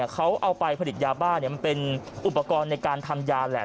เขาเอาไปผลิตยาบ้ามันเป็นอุปกรณ์ในการทำยาแหละ